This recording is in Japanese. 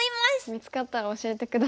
見つかったら教えて下さい。